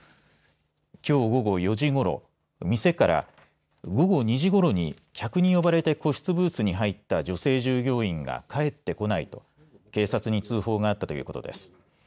きょう午後４時ごろ店から午後２時ごろに客に呼ばれて個室ブースに入った女性従業員が帰ってこないと警察に通報があったということです。